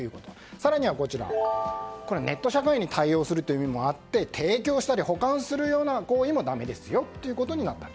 更には、ネット社会に対応する意味もあって提供したり保管するような行為もだめですよということになった。